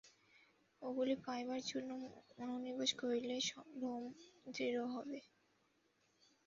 এগুলি পাইবার জন্য মনোনিবেশ করিলে ভ্রম দৃঢ় করা হয়।